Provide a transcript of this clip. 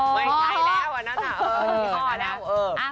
ไม่ใช่แล้วอันนั้นค่ะเอออีกข้อแล้ว